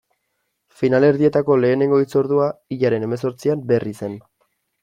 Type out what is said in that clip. Finalerdietako lehenengo hitzordua, hilaren hemezortzian, Berrizen.